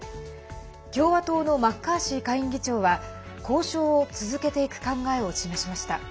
共和党のマッカーシー下院議長は交渉を続けていく考えを示しました。